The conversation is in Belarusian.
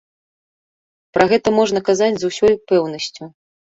Пра гэта можна казаць з усёй пэўнасцю.